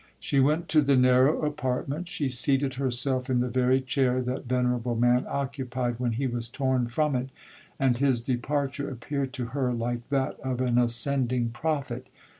She went to the narrow apartment,—she seated herself in the very chair that venerable man occupied when he was torn from it, and his departure appeared to her like that of an ascending prophet.